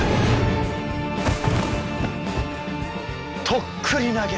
とっくり投げ。